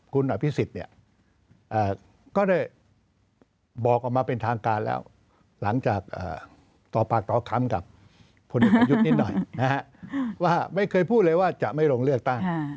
คุณพิศิษฐ์ก็ได้บอกออกมาเป็นทางการแล้วหลังจากต่อปากต่อคำกับต่อหยุดนิดหน่อยไม่เคยพูดเลยว่าจะไม่ลงเลือกตั้ง